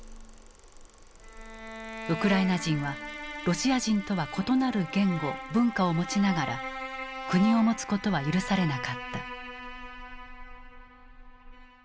ウクライナ人はロシア人とは異なる言語文化を持ちながら国を持つことは許されなかった。